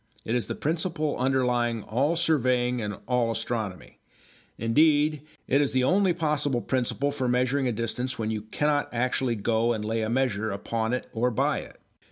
It is the principle underlying all surveying and all astronomy; indeed it is the only possible principle for measuring a distance when you cannot actually go and lay a measure upon it or by it.